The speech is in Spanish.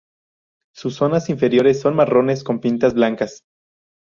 Sus zonas inferiores son marrones con pintas blancas.